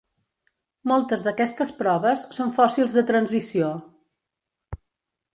Moltes d'aquestes proves són fòssils de transició.